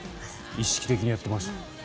意識的にやってました。